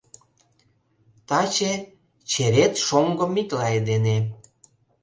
Таче черет шоҥго Миклай дене.